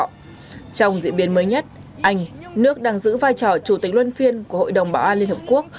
trong diễn biến mới nhất anh nước đang giữ vai trò chủ tịch luân phiên của hội đồng bảo an liên hợp quốc